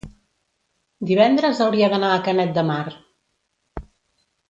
divendres hauria d'anar a Canet de Mar.